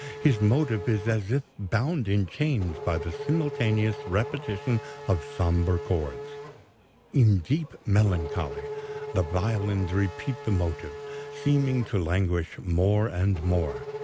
His motive is as if bound in chains by the simultaneous repetition of sombre chords. In deep melancholy the violins repeat the motive, seeming to languish more and more.